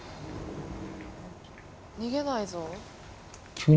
逃げないぞ。